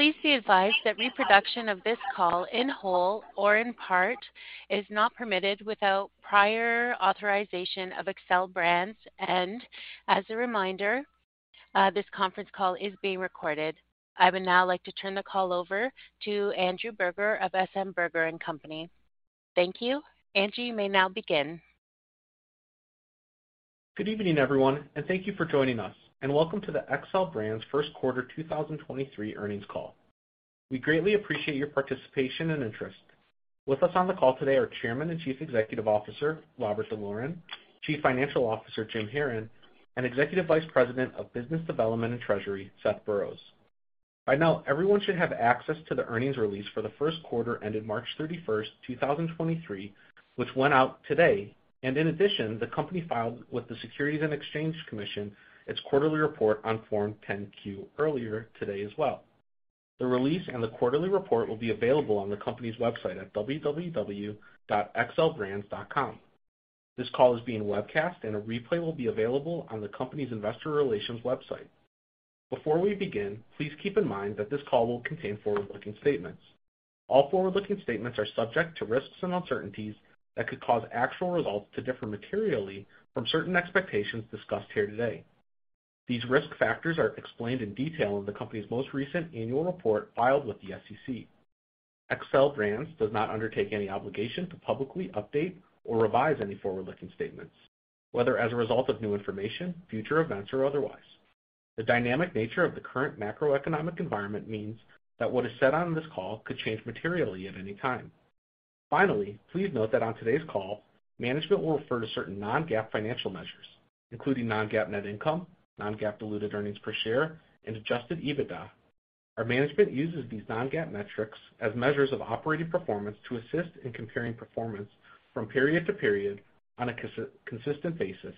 Please be advised that reproduction of this call in whole or in part is not permitted without prior authorization of Xcel Brands. As a reminder, this conference call is being recorded. I would now like to turn the call over to Andrew Berger of SM Berger & Company. Thank you. Andrew, you may now begin. Good evening, everyone, thank you for joining us. Welcome to the Xcel Brands first quarter 2023 earnings call. We greatly appreciate your participation and interest. With us on the call today are Chairman and Chief Executive Officer, Robert D'Loren, Chief Financial Officer, Jim Haran, and Executive Vice President of Business Development and Treasury, Seth Burroughs. By now, everyone should have access to the earnings release for the first quarter ended March 31st, 2023, which went out today. In addition, the company filed with the Securities and Exchange Commission, its quarterly report on Form 10-Q earlier today as well. The release and the quarterly report will be available on the company's website at www.xcelbrands.com. This call is being webcast, a replay will be available on the company's investor relations website. Before we begin, please keep in mind that this call will contain forward-looking statements. All forward-looking statements are subject to risks and uncertainties that could cause actual results to differ materially from certain expectations discussed here today. These risk factors are explained in detail in the company's most recent annual report filed with the SEC. Xcel Brands does not undertake any obligation to publicly update or revise any forward-looking statements, whether as a result of new information, future events or otherwise. The dynamic nature of the current macroeconomic environment means that what is said on this call could change materially at any time. Finally, please note that on today's call, management will refer to certain non-GAAP financial measures, including non-GAAP net income, non-GAAP diluted earnings per share, and adjusted EBITDA. Our management uses these non-GAAP metrics as measures of operating performance to assist in comparing performance from period to period on a consistent basis,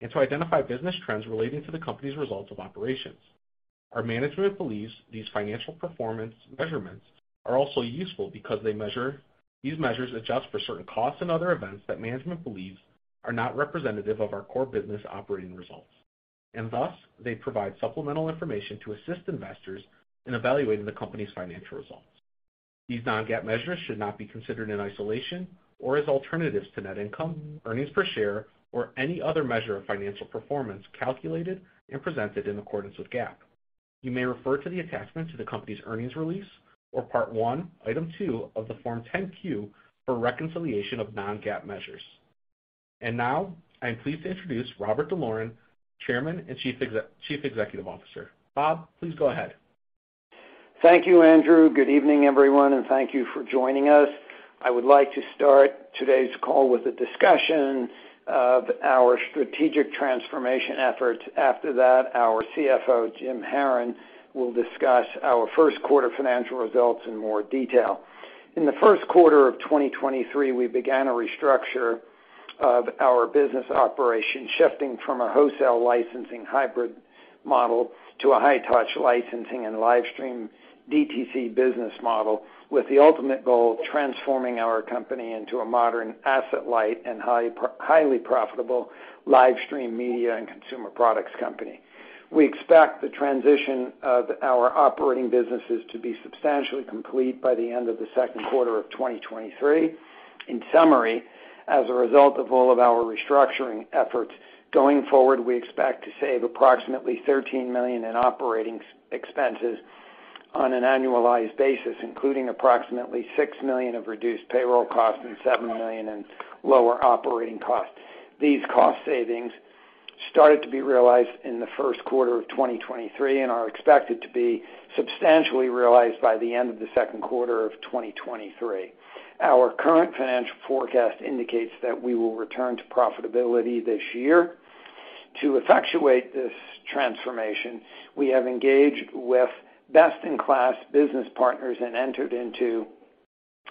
and to identify business trends relating to the company's results of operations. Our management believes these financial performance measurements are also useful because they measure. These measures adjust for certain costs and other events that management believes are not representative of our core business operating results. Thus, they provide supplemental information to assist investors in evaluating the company's financial results. These non-GAAP measures should not be considered in isolation or as alternatives to net income, earnings per share, or any other measure of financial performance calculated and presented in accordance with GAAP. You may refer to the attachment to the company's earnings release or Part One, Item Two of the Form 10-Q for reconciliation of non-GAAP measures. I'm pleased to introduce Robert D'Loren, Chairman and Chief Executive Officer. Bob, please go ahead. Thank you, Andrew. Good evening, everyone, thank you for joining us. I would like to start today's call with a discussion of our strategic transformation efforts. After that, our CFO, Jim Haran, will discuss our first quarter financial results in more detail. In the first quarter of 2023, we began a restructure of our business operations, shifting from a wholesale licensing hybrid model to a high-touch licensing and live stream DTC business model, with the ultimate goal of transforming our company into a modern asset light and highly profitable live stream media and consumer products company. We expect the transition of our operating businesses to be substantially complete by the end of the second quarter of 2023. In summary, as a result of all of our restructuring efforts, going forward, we expect to save approximately $13 million in operating expenses on an annualized basis, including approximately $6 million of reduced payroll costs and $7 million in lower operating costs. These cost savings started to be realized in the first quarter of 2023 and are expected to be substantially realized by the end of the second quarter of 2023. Our current financial forecast indicates that we will return to profitability this year. To effectuate this transformation, we have engaged with best-in-class business partners and entered into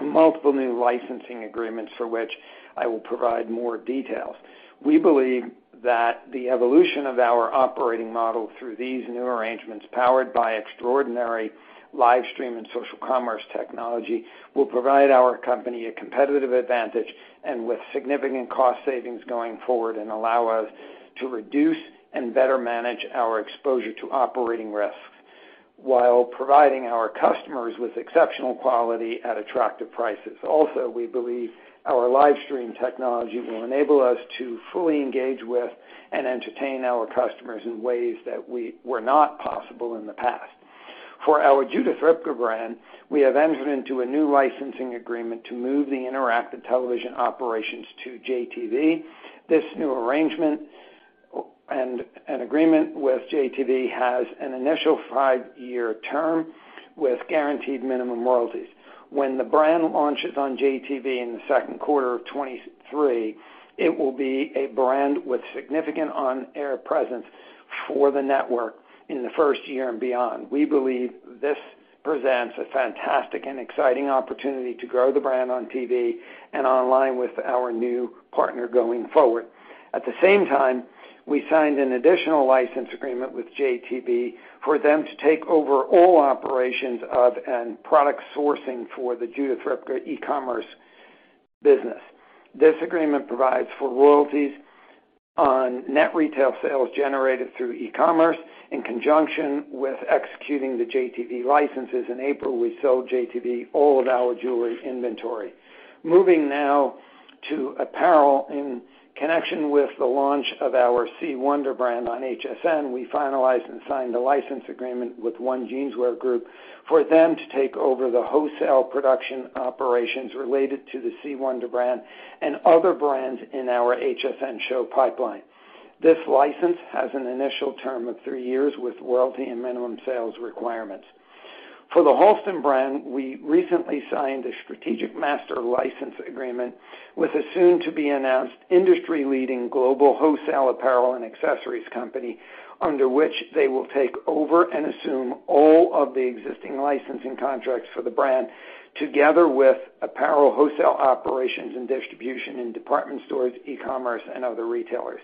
multiple new licensing agreements for which I will provide more details. We believe that the evolution of our operating model through these new arrangements, powered by extraordinary live stream and social commerce technology, will provide our company a competitive advantage and with significant cost savings going forward, and allow us to reduce and better manage our exposure to operating risks, while providing our customers with exceptional quality at attractive prices. Also, we believe our live stream technology will enable us to fully engage with and entertain our customers in ways that were not possible in the past. For our Judith Ripka brand, we have entered into a new licensing agreement to move the interactive television operations to JTV. This new arrangement and an agreement with JTV has an initial five-year term with guaranteed minimum royalties. When the brand launches on JTV in the second quarter of 2023, it will be a brand with significant on-air presence for the network in the first year and beyond. We believe this presents a fantastic and exciting opportunity to grow the brand on TV and online with our new partner going forward. At the same time, we signed an additional license agreement with JTV for them to take over all operations of and product sourcing for the Judith Ripka e-commerce business. This agreement provides for royalties on net retail sales generated through e-commerce in conjunction with executing the JTV licenses in April, we sold JTV all of our jewelry inventory. Moving now to apparel. In connection with the launch of our C. Wonder brand on HSN, we finalized and signed a license agreement with One Jeanswear Group for them to take over the wholesale production operations related to the C. Wonder brand and other brands in our HSN show pipeline. This license has an initial term of three years with royalty and minimum sales requirements. For the Halston brand, we recently signed a strategic master license agreement with a soon-to-be-announced industry-leading global wholesale apparel and accessories company, under which they will take over and assume all of the existing licensing contracts for the brand, together with apparel wholesale operations and distribution in department stores, e-commerce, and other retailers.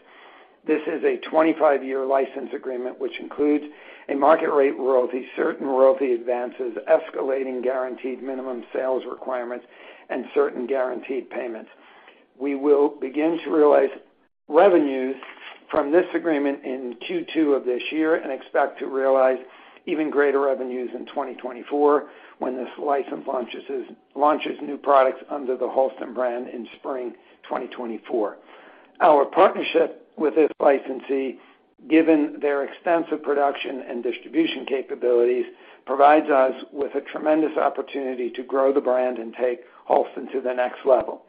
This is a 25-year license agreement, which includes a market rate royalty, certain royalty advances, escalating guaranteed minimum sales requirements, and certain guaranteed payments. We will begin to realize revenues from this agreement in Q2 of this year and expect to realize even greater revenues in 2024 when this license launches new products under the Halston brand in Spring 2024. Our partnership with this licensee, given their extensive production and distribution capabilities, provides us with a tremendous opportunity to grow the brand and take Halston to the next level.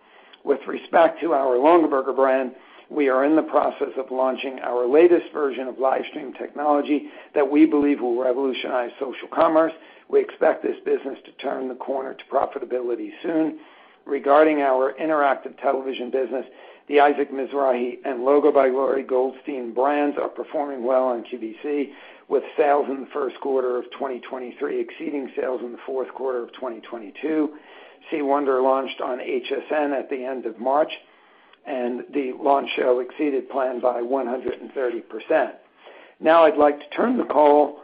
With respect to our Longaberger brand, we are in the process of launching our latest version of live stream technology that we believe will revolutionize social commerce. We expect this business to turn the corner to profitability soon. Regarding our interactive television business, the Isaac Mizrahi and LOGO by Lori Goldstein brands are performing well on QVC, with sales in the first quarter of 2023 exceeding sales in the fourth quarter of 2022. C. Wonder launched on HSN at the end of March. The launch show exceeded plan by 130%. Now, I'd like to turn the call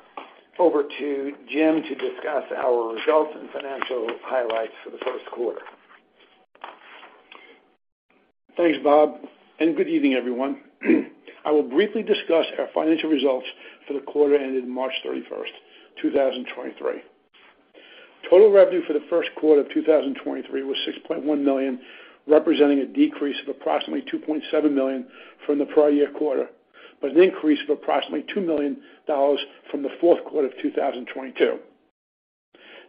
over to Jim to discuss our results and financial highlights for the first quarter. Thanks, Bob. Good evening, everyone. I will briefly discuss our financial results for the quarter ended March 31st, 2023. Total revenue for the first quarter of 2023 was $6.1 million, representing a decrease of approximately $2.7 million from the prior-year quarter, but an increase of approximately $2 million from the fourth quarter of 2022.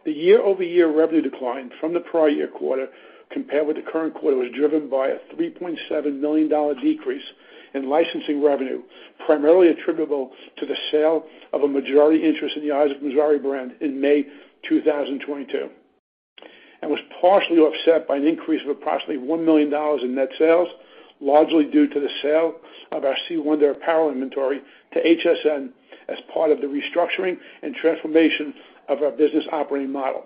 The year-over-year revenue decline from the prior year quarter compared with the current quarter was driven by a $3.7 million decrease in licensing revenue, primarily attributable to the sale of a majority interest in the Isaac Mizrahi brand in May 2022, and was partially offset by an increase of approximately $1 million in net sales, largely due to the sale of our C. Wonder apparel inventory to HSN as part of the restructuring and transformation of our business operating model.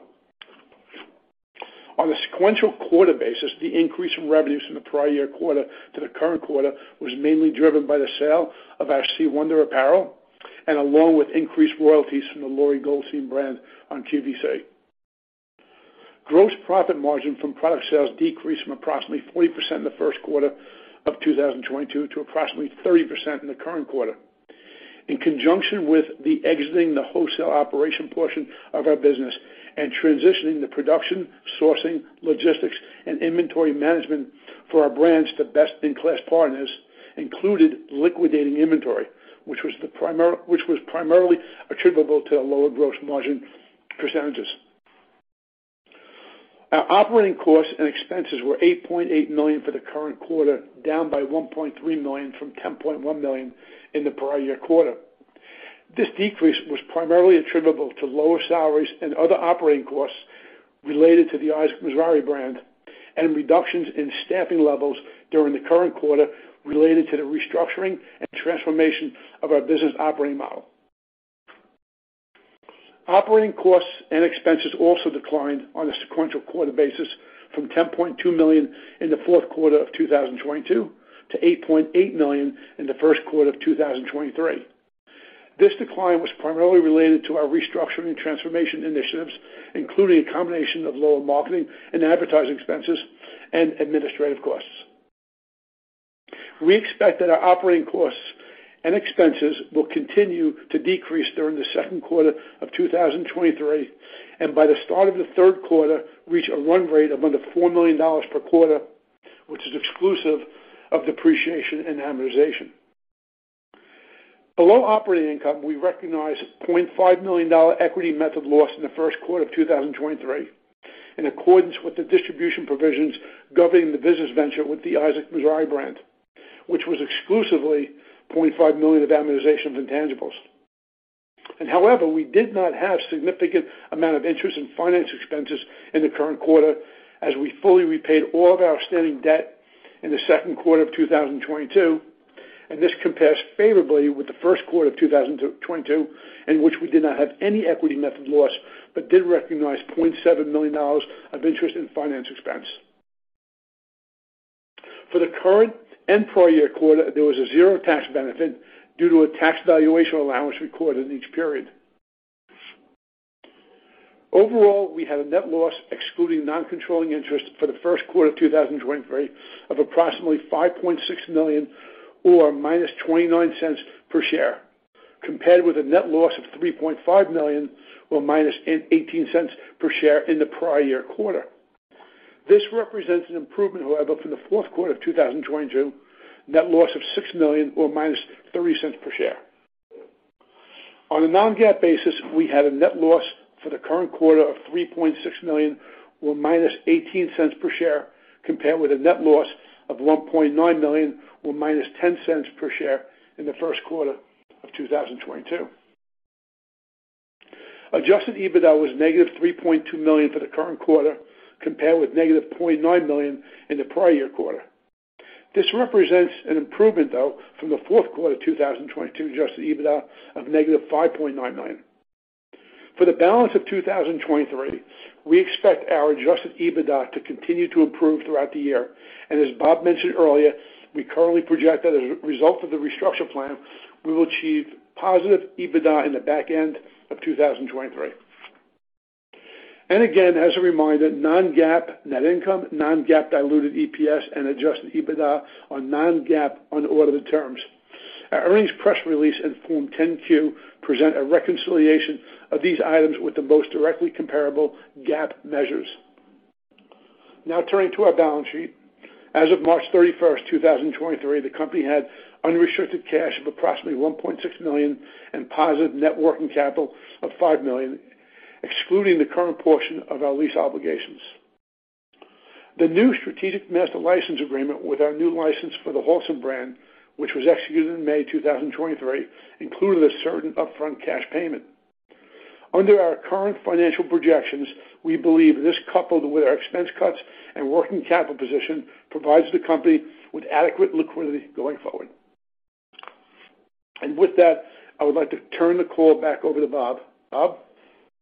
On a sequential quarter basis, the increase in revenues from the prior year quarter to the current quarter was mainly driven by the sale of our C. Wonder apparel and along with increased royalties from the Lori Goldstein brand on QVC. Gross profit margin from product sales decreased from approximately 40% in the first quarter of 2022 to approximately 30% in the current quarter. In conjunction with the exiting the wholesale operation portion of our business and transitioning the production, sourcing, logistics, and inventory management for our brands to best-in-class partners included liquidating inventory, which was primarily attributable to the lower gross margin %. Our operating costs and expenses were $8.8 million for the current quarter, down by $1.3 million from $10.1 million in the prior year quarter. This decrease was primarily attributable to lower salaries and other operating costs related to the Isaac Mizrahi brand and reductions in staffing levels during the current quarter related to the restructuring and transformation of our business operating model. Operating costs and expenses also declined on a sequential quarter basis from $10.2 million in the fourth quarter of 2022 to $8.8 million in the first quarter of 2023. This decline was primarily related to our restructuring transformation initiatives, including a combination of lower marketing and advertising expenses and administrative costs. We expect that our operating costs and expenses will continue to decrease during the second quarter of 2023, and by the start of the third quarter, reach a run rate of under $4 million per quarter, which is exclusive of depreciation and amortization. Below operating income, we recognized a $0.5 million equity method loss in the first quarter of 2023, in accordance with the distribution provisions governing the business venture with the Isaac Mizrahi brand, which was exclusively $0.5 million of amortization of intangibles. However, we did not have significant amount of interest in finance expenses in the current quarter, as we fully repaid all of our outstanding debt in the second quarter of 2022. This compares favorably with the first quarter of 2022, in which we did not have any equity method loss but did recognize $0.7 million of interest in finance expense. For the current and prior year quarter, there was a zero tax benefit due to a tax valuation allowance recorded in each period. Overall, we had a net loss excluding non-controlling interest for the first quarter of 2023 of approximately $5.6 million or -$0.29 per share, compared with a net loss of $3.5 million or -$0.18 per share in the prior year quarter. This represents an improvement, however, from the fourth quarter of 2022, net loss of $6 million or -$0.30 per share. On a non-GAAP basis, we had a net loss for the current quarter of $3.6 million or -$0.18 per share, compared with a net loss of $1.9 million or -$0.10 per share in the first quarter of 2022. Adjusted EBITDA was -$3.2 million for the current quarter, compared with -$0.9 million in the prior year quarter. This represents an improvement, though, from the fourth quarter 2022 adjusted EBITDA of -$5.9 million. For the balance of 2023, we expect our adjusted EBITDA to continue to improve throughout the year. As Bob mentioned earlier, we currently project that as a result of the restructure plan, we will achieve positive EBITDA in the back end of 2023. Again, as a reminder, non-GAAP, net income, non-GAAP diluted EPS and adjusted EBITDA are non-GAAP on audited terms. Our earnings press release in Form 10-Q present a reconciliation of these items with the most directly comparable GAAP measures. Turning to our balance sheet. As of March 31st, 2023, the company had unrestricted cash of approximately $1.6 million and positive net working capital of $5 million, excluding the current portion of our lease obligations. The new strategic master license agreement with our new license for the Halston brand, which was executed in May 2023, included a certain upfront cash payment. Under our current financial projections, we believe this, coupled with our expense cuts and working capital position, provides the company with adequate liquidity going forward. With that, I would like to turn the call back over to Bob. Bob?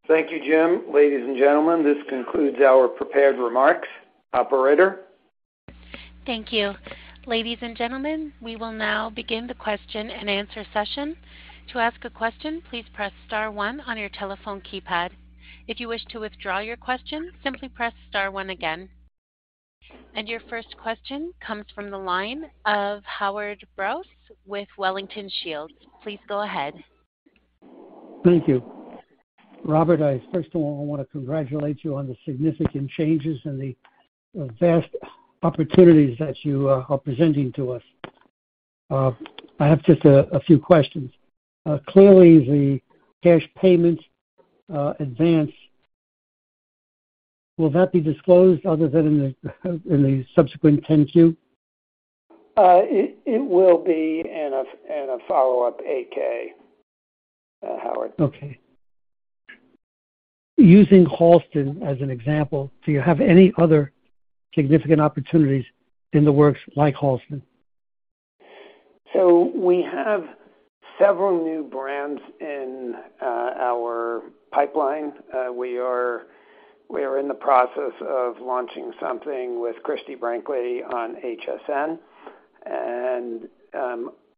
Thank you, Jim. Ladies and gentlemen, this concludes our prepared remarks. Operator? Thank you. Ladies and gentlemen, we will now begin the question and answer session. To ask a question, please press star one on your telephone keypad. If you wish to withdraw your question, simply press star one again. Your first question comes from the line of Howard Brous with Wellington Shields. Please go ahead. Thank you. Robert, I first of all want to congratulate you on the significant changes and the vast opportunities that you are presenting to us. I have just a few questions. Clearly the cash payments, advance, will that be disclosed other than in the subsequent 10-Q? It will be in a follow-up 8-K, Howard. Okay. Using Halston as an example, do you have any other significant opportunities in the works like Halston? We have several new brands in our pipeline. We are in the process of launching something with Christie Brinkley on HSN and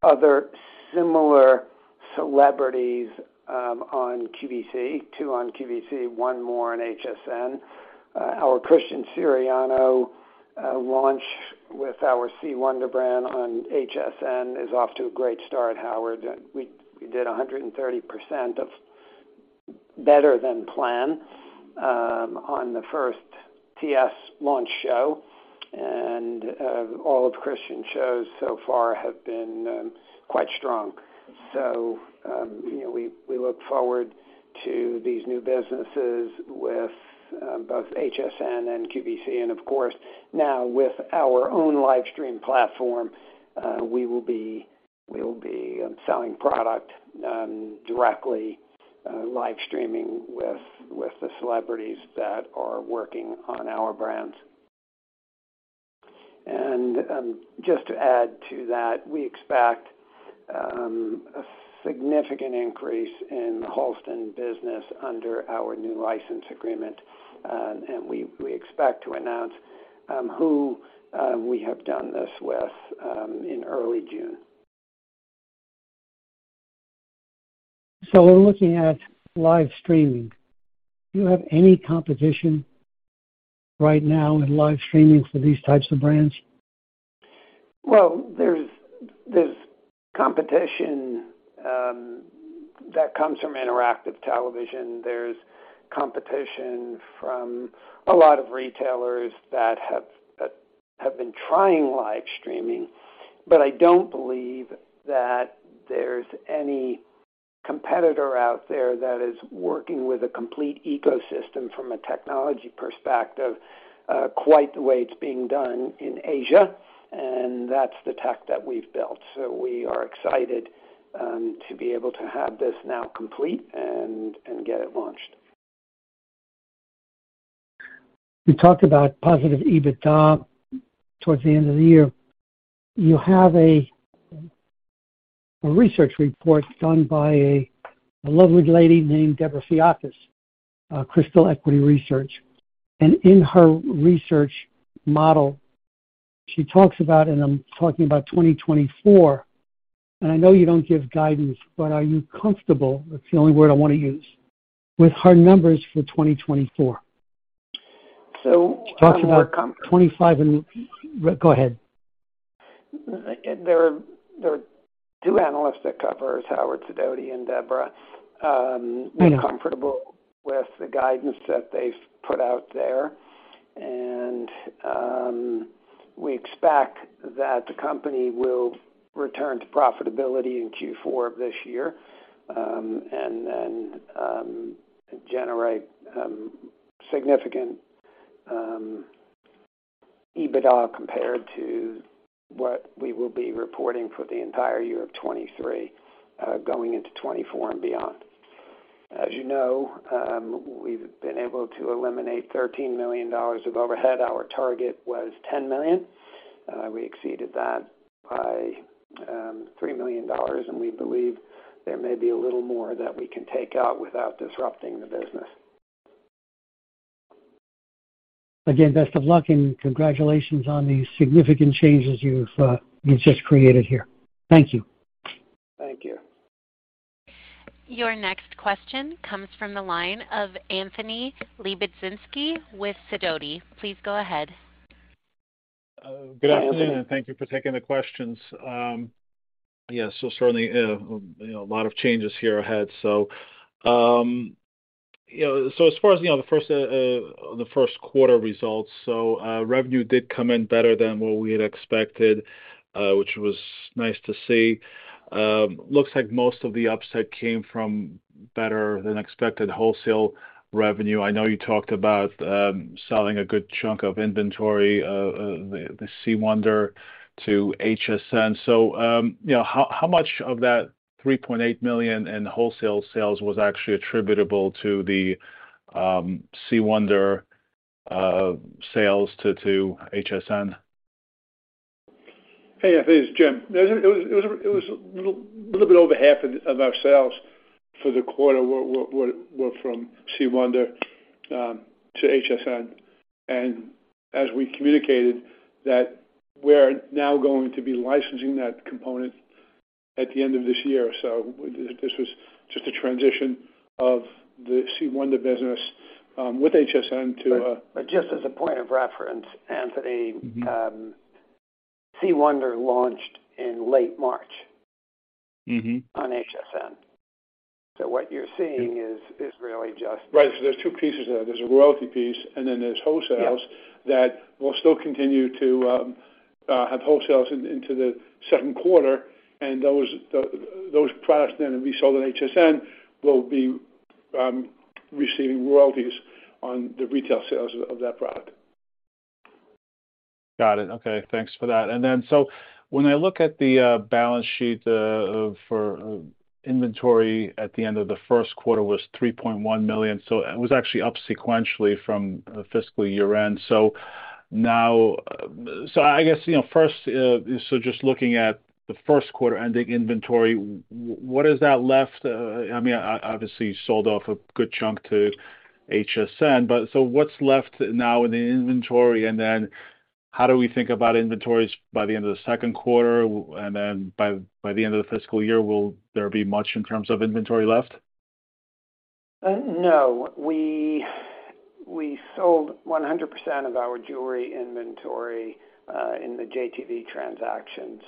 other similar celebrities on QVC, two on QVC, one more on HSN. Our Christian Siriano launch with our C. Wonder brand on HSN is off to a great start, Howard. We did 130% of better than plan on the first TS launch show. All of Christian shows so far have been quite strong. You know, we look forward to these new businesses with both HSN and QVC. Of course, now with our own live stream platform, we'll be selling product directly live streaming with the celebrities that are working on our brands. Just to add to that, we expect a significant increase in the Halston business under our new license agreement. We expect to announce who we have done this with in early June. We're looking at live streaming. Do you have any competition right now in live streaming for these types of brands? Well, there's competition that comes from interactive television. There's competition from a lot of retailers that have been trying live streaming. I don't believe that there's any competitor out there that is working with a complete ecosystem from a technology perspective, quite the way it's being done in Asia, and that's the tech that we've built. We are excited to be able to have this now complete and get it launched. You talked about positive EBITDA towards the end of the year. You have a research report done by a lovely lady named Debra Fiakas, Crystal Equity Research. In her research model. She talks about, and I'm talking about 2024, and I know you don't give guidance, but are you comfortable, that's the only word I want to use, with her numbers for 2024? So- She talks about 25 and... Go ahead. There are two analysts that cover us, Howard Brous and Debra Fiakas. We're comfortable with the guidance that they've put out there. We expect that the company will return to profitability in Q4 of this year, and then generate significant EBITDA compared to what we will be reporting for the entire year of 2023, going into 2024 and beyond. As you know, we've been able to eliminate $13 million of overhead. Our target was $10 million. We exceeded that by $3 million, and we believe there may be a little more that we can take out without disrupting the business. Best of luck and congratulations on these significant changes you've just created here. Thank you. Thank you. Your next question comes from the line of Anthony Lebiedzinski with Sidoti. Please go ahead. Good afternoon, and thank you for taking the questions. Certainly, you know, a lot of changes here ahead. As far as, you know, the first quarter results, revenue did come in better than what we had expected, which was nice to see. Looks like most of the upset came from better than expected wholesale revenue. I know you talked about selling a good chunk of inventory, the C. Wonder to HSN. How much of that $3.8 million in wholesale sales was actually attributable to the C. Wonder sales to HSN? Hey, Anthony, this is Jim. It was a little bit over half of our sales for the quarter were from C. Wonder to HSN. As we communicated that we're now going to be licensing that component at the end of this year. This was just a transition of the C. Wonder business with HSN to. Just as a point of reference, Anthony. Mm-hmm. C. Wonder launched in late March. Mm-hmm On HSN. What you're seeing is really just. Right. There's two pieces there. There's a royalty piece, and then there's wholesales- Yeah That will still continue to have wholesales into the second quarter, and those products then will be sold on HSN will be receiving royalties on the retail sales of that product. Got it. Okay. Thanks for that. When I look at the balance sheet for inventory at the end of the first quarter was $3.1 million. It was actually up sequentially from fiscal year-end. I guess, you know, first, just looking at the first quarter ending inventory, what is that left? I mean, obviously, you sold off a good chunk to HSN, but what's left now in the inventory? How do we think about inventories by the end of the second quarter and then by the end of the fiscal year? Will there be much in terms of inventory left? No. We sold 100% of our jewelry inventory in the JTV transaction.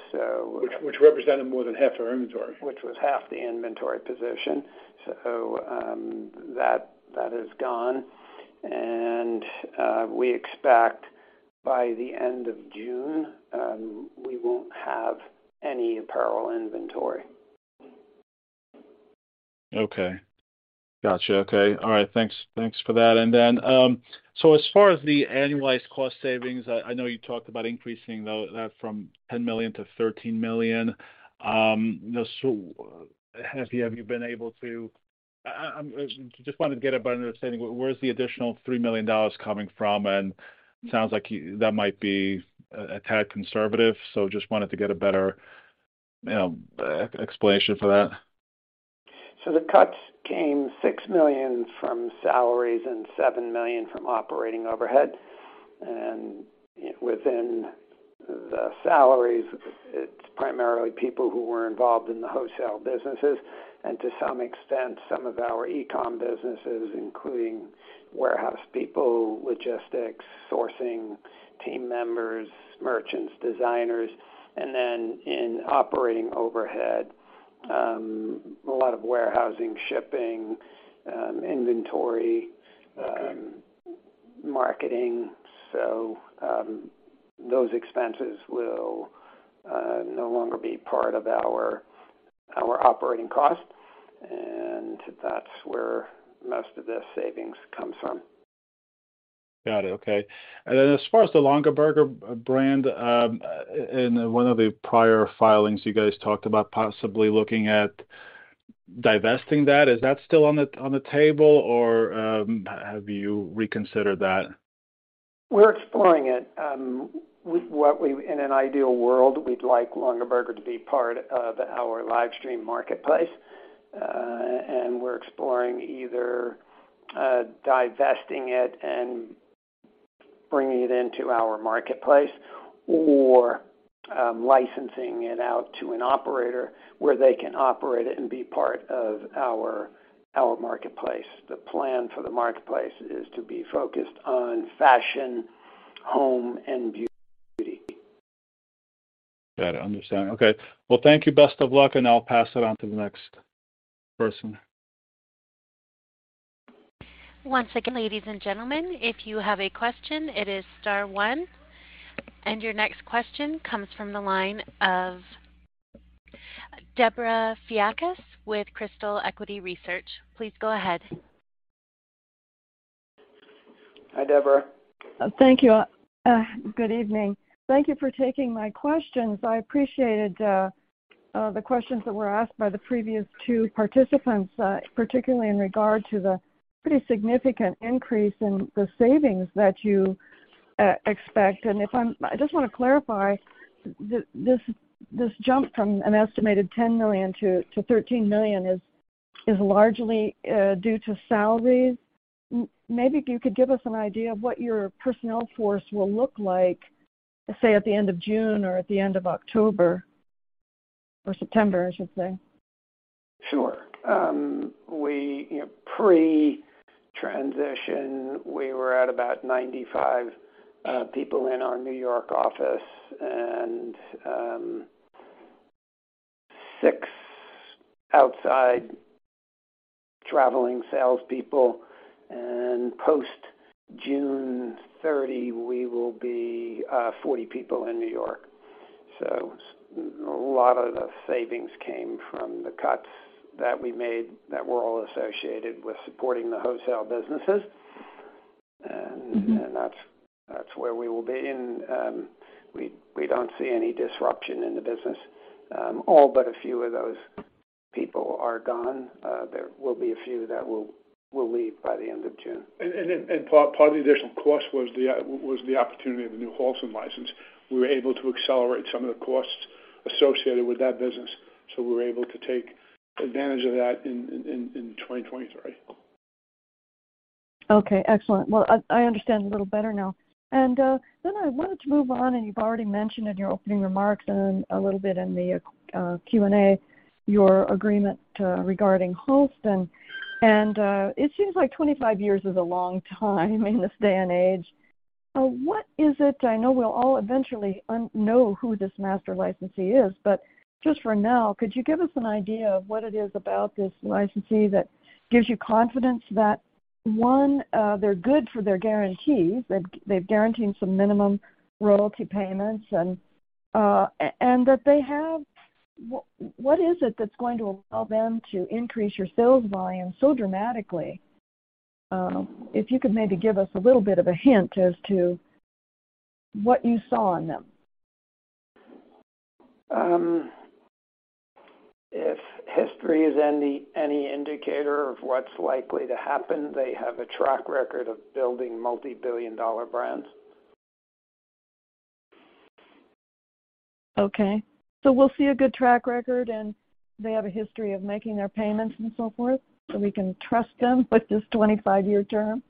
Which represented more than half our inventory. Which was half the inventory position. That is gone. We expect by the end of June, we won't have any apparel inventory. Okay. Gotcha. Okay. All right. Thanks for that. Then, so as far as the annualized cost savings, I know you talked about increasing that from $10 million to $13 million. So have you been able to... I just wanted to get a better understanding, where's the additional $3 million coming from? Sounds like that might be a tad conservative, so just wanted to get a better, you know, explanation for that. The cuts came $6 million from salaries and $7 million from operating overhead. Within the salaries, it's primarily people who were involved in the wholesale businesses, and to some extent, some of our e-com businesses, including warehouse people, logistics, sourcing team members, merchants, designers. Then in operating overhead, a lot of warehousing, shipping, marketing. Those expenses will no longer be part of our operating costs, and that's where most of the savings comes from. Got it. Okay. Then as far as the Longaberger brand, in one of the prior filings, you guys talked about possibly looking at divesting that. Is that still on the, on the table or, have you reconsidered that? We're exploring it. In an ideal world, we'd like Longaberger to be part of our livestream marketplace, and we're exploring either divesting it and bringing it into our marketplace or licensing it out to an operator where they can operate it and be part of our marketplace. The plan for the marketplace is to be focused on fashion, home, and beauty. Got it. Understand. Okay. Well, thank you. Best of luck, and I'll pass it on to the next person. Once again, ladies and gentlemen, if you have a question, it is star 1. Your next question comes from the line of Debra Fiakas with Crystal Equity Research. Please go ahead. Hi, Debra. Thank you. Good evening. Thank you for taking my questions. I appreciated the questions that were asked by the previous two participants, particularly in regard to the pretty significant increase in the savings that you expect. I just wanna clarify. This jump from an estimated $10 million to $13 million is largely due to salaries. Maybe if you could give us an idea of what your personnel force will look like, say, at the end of June or at the end of October or September, I should say. Sure. Pre-transition, we were at about 95 people in our New York office and six outside traveling salespeople. Post-June 30, we will be 40 people in New York. A lot of the savings came from the cuts that we made that were all associated with supporting the wholesale businesses. Mm-hmm. That's where we will be. We don't see any disruption in the business. All but a few of those people are gone. There will be a few that will leave by the end of June. Part of the additional cost was the opportunity of the new Halston license. We were able to accelerate some of the costs associated with that business, so we were able to take advantage of that in 2023. Okay, excellent. Well, I understand a little better now. I wanted to move on, and you've already mentioned in your opening remarks and a little bit in the Q&A, your agreement regarding Halston. It seems like 25 years is a long time in this day and age. I know we'll all eventually know who this master licensee is, but just for now, could you give us an idea of what it is about this licensee that gives you confidence that one, they're good for their guarantees, they've guaranteed some minimum royalty payments and that they have what is it that's going to allow them to increase your sales volume so dramatically? If you could maybe give us a little bit of a hint as to what you saw in them. If history is any indicator of what's likely to happen, they have a track record of building multi-billion dollar brands. Okay. We'll see a good track record, and they have a history of making their payments and so forth, so we can trust them with this 25 year term?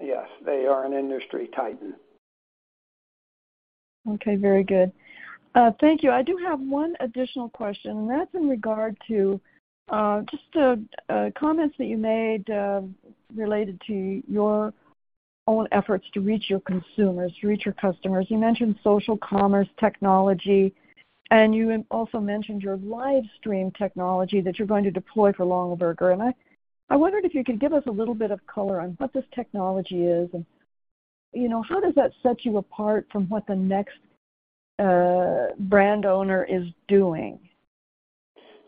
Yes. They are an industry titan. Okay. Very good. Thank you. I do have one additional question, and that's in regard to just comments that you made related to your own efforts to reach your consumers, to reach your customers. You mentioned social commerce technology, and you also mentioned your livestream technology that you're going to deploy for Longaberger. I wondered if you could give us a little bit of color on what this technology is and, you know, how does that set you apart from what the next brand owner is doing?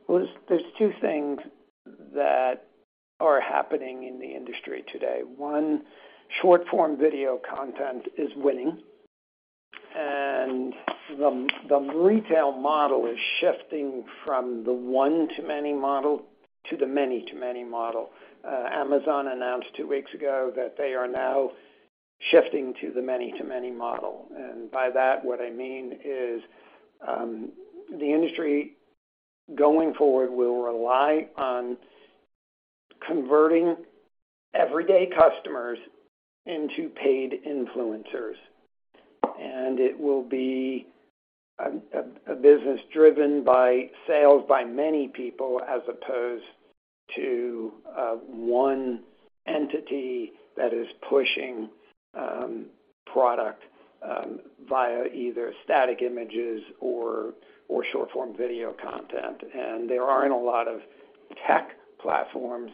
Well, there's two things that are happening in the industry today. One, short-form video content is winning, and the retail model is shifting from the one-to-many model to the many-to-many model. Amazon announced two weeks ago that they are now shifting to the many-to-many model. By that, what I mean is, the industry going forward will rely on converting everyday customers into paid influencers. It will be a business driven by sales by many people as opposed to one entity that is pushing product via either static images or short-form video content. There aren't a lot of tech platforms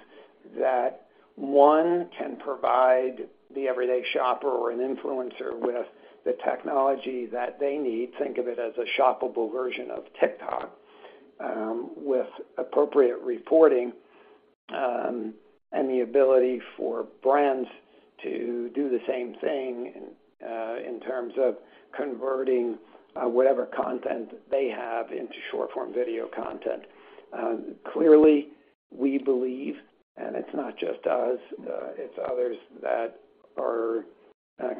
that one can provide the everyday shopper or an influencer with the technology that they need. Think of it as a shoppable version of TikTok, with appropriate reporting, and the ability for brands to do the same thing, in terms of converting, whatever content they have into short-form video content. Clearly, we believe, and it's not just us, it's others that are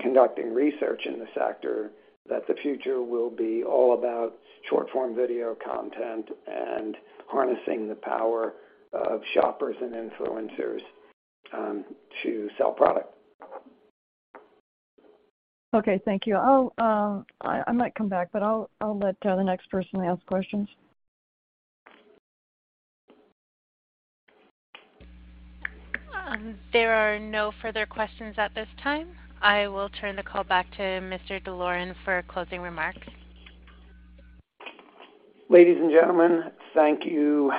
conducting research in the sector, that the future will be all about short-form video content and harnessing the power of shoppers and influencers, to sell product. Okay, thank you. I might come back, but I'll let the next person ask questions. There are no further questions at this time. I will turn the call back to Mr. D'Loren for closing remarks. Ladies and gentlemen, thank you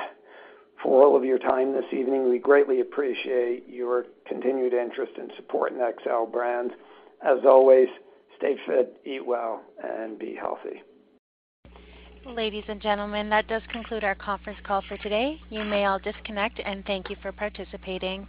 for all of your time this evening. We greatly appreciate your continued interest and support in Xcel Brands. As always, stay fit, eat well, and be healthy. Ladies and gentlemen, that does conclude our conference call for today. You may all disconnect, and thank you for participating.